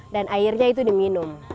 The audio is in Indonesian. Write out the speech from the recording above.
dan airnya itu diminum